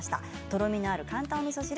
とろみのある簡単おみそ汁